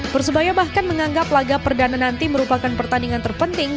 persebaya bahkan menganggap laga perdana nanti merupakan pertandingan terpenting